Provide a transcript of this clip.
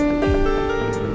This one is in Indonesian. terima kasih bu